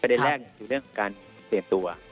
ประเด็นแรกคือเรื่องของการเสียงตัว